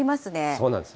そうなんです。